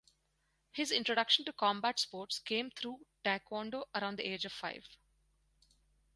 His introduction to combat sports came through taekwondo around the age of five.